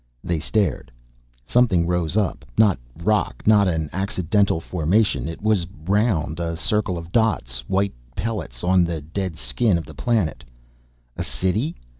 They stared. Something rose up, not rock, not an accidental formation. It was round, a circle of dots, white pellets on the dead skin of the planet. A city?